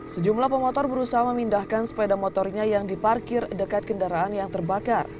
sejumlah pemotor berusaha memindahkan sepeda motornya yang diparkir dekat kendaraan yang terbakar